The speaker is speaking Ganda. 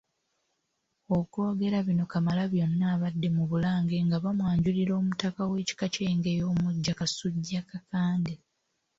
Okwogera bino Kamalabyonna abadde mu Bulange nga bamwanjulira Omutaka w’ekika ky’Engeye omuggya Kasujja Kakande.